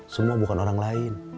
semua bukan orang lain